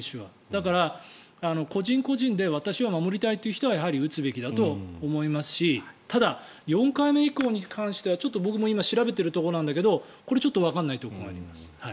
だから、個人個人で私は守りたいという人はやはり打つべきだと思いますしただ、４回目以降に関してはちょっと僕も調べているところだけどこれはちょっとわからないところがあります。